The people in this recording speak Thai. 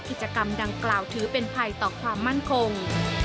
กิจกรรมดังกล่าวถือเป็นภัยต่อความมั่นคง